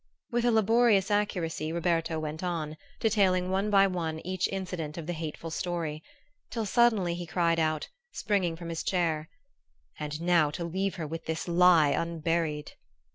With a laborious accuracy Roberto went on, detailing one by one each incident of the hateful story, till suddenly he cried out, springing from his chair "And now to leave her with this lie unburied!"